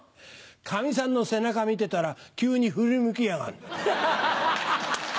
カミさんの背中見てたら急に振り向きやがんの。